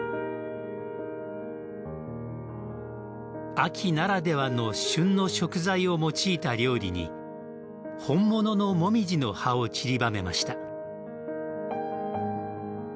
秋ならではの旬の食材を用いた料理に本物のモミジの葉を散りばめました。